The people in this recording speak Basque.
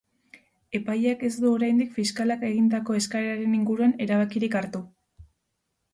Epaileak ez du oraindik fiskalak egindako eskaeraren inguruan erabakirik hartu.